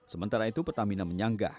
sementara itu pertamina menyanggah